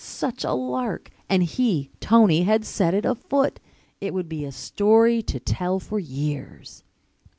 Such a lark! And he, Tony, had set it afoot! It would be a story to tell for years.